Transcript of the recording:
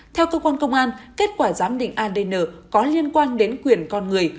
theo cơ quan công an kết quả giám định adn có liên quan đến quyền con người